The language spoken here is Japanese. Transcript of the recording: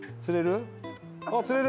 釣れる？